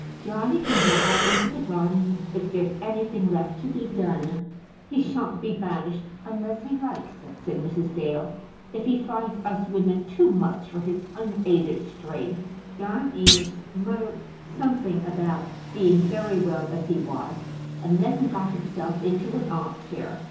Johnny can go out into the garden if there's anything left to be done." "He shan't be banished unless he likes it," said Mrs. Dale. "If he finds us women too much for his unaided strength " John Eames muttered something about being very well as he was, and then got himself into an arm chair.